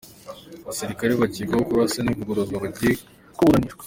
Abasirikare bakekwaho kurasa Ntivuguruzwa bagiye kuburanishwa.